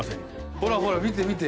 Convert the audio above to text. ほらほら、見て、見て。